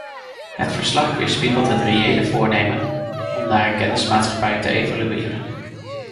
Het verslag weerspiegelt het reële voornemen om naar een kennismaatschappij te evolueren.